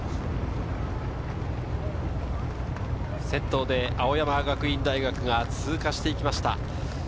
先頭で青山学院大学が通過して行きました。